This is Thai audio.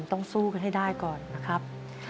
ต้องสู้กันให้ได้ก่อนนะครับ